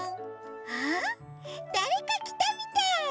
あっだれかきたみたい！